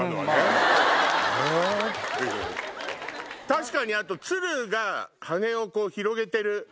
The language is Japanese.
確かに鶴が羽を広げてる。